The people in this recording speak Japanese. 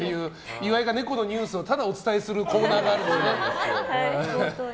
岩井が猫のニュースをただお伝えするコーナーがあるんですね。